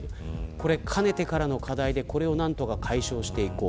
これはかねてからの課題でこれを何とか解消していこう。